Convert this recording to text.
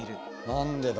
何でだ？